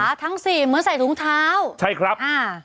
ทุกษ่าทั้ง๔เหมือนใส่ถุงเท้าใช่ครับ